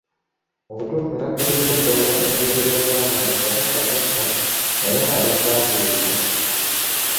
Mu butuufu nakakasiza ddala enjogera egamba nti Kabaka tatta, naye abasaakiriza.